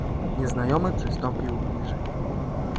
"Nieznajomy przystąpił bliżej."